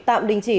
tạm đình chỉ